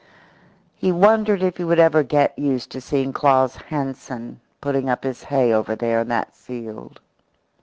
He wondered if he would ever get used to seeing Claus Hansen putting up his hay over there in that field.